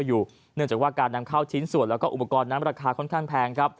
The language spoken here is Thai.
เนื่องจากการนำเข้าชิ้นส่วนและอุปกรณ์น้ำราคาค่อนข้างแพง